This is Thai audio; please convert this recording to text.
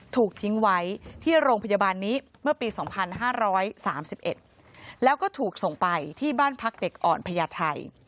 ถูกทิ้งไว้ที่โรงพยาบาลนี้เมื่อปี๒๕๓๑แล้วก็ถูกส่งไปที่บ้านพักเด็กอ่อนพญาไทย